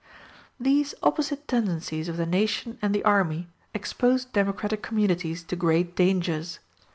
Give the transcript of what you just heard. These opposite tendencies of the nation and the army expose democratic communities to great dangers.